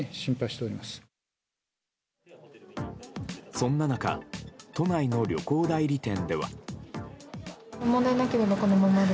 そんな中都内の旅行代理店では。